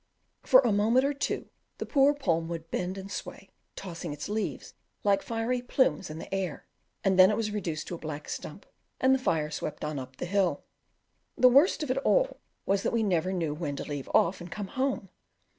For a moment or two the poor palm would bend and sway, tossing its leaves like fiery plumes in the air, and then it was reduced to a black stump, and the fire swept on up the hill. The worst of it all was that we never knew when to leave off and come home.